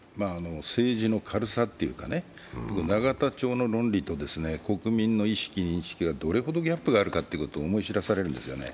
政治の軽さというかね、永田町の論理と国民の意識・認識にどれほどギャップがあるかと思い知らされるんですよね。